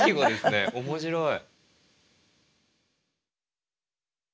面白い。